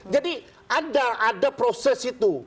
jadi ada proses itu